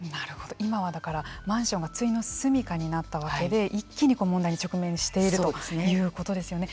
今はだからマンションがついの住みかになったわけで一気に問題に直面しているということですよね。